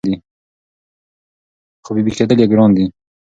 خو بېبي کېدل یې ګران دي